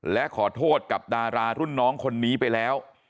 และขอโทษกับดารารุ่นน้องคนนี้ไปแล้ว